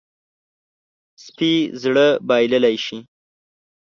سپي زړه بایللی شي.